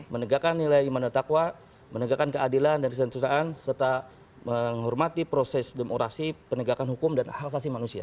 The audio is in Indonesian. menekankan nilai iman dan taqwa menegakkan keadilan dan kesen kesen dan serta menghormati proses demokrasi penegakan hukum dan akhalsasi manusia